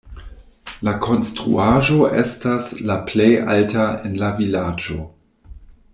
La konstruaĵo estas la plej alta en la vilaĝo.